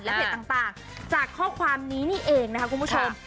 เพจต่างจากข้อความนี้นี่เองนะคะคุณผู้ชม